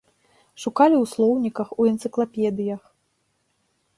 Шукалі ў слоўніках, у энцыклапедыях.